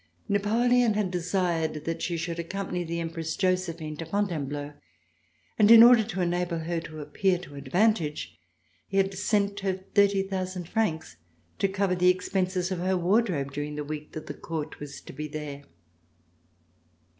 Napoleon had desired that she should accompany the Empress Josephine to Fontainebleau, and in order to enable her to appear to advantage, he had sent her 30,000 francs to cover the expenses of her wardrobe during the week that the Court was to be there.